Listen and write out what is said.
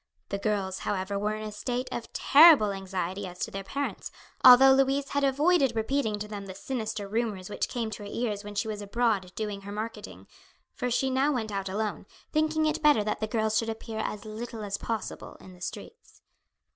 The girls, however, were in a state of terrible anxiety as to their parents, although Louise had avoided repeating to them the sinister rumours which came to her ears when she was abroad doing her marketing, for she now went out alone, thinking it better that the girls should appear as little as possible in the streets.